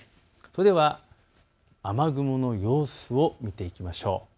それでは雨雲の様子を見ていきましょう。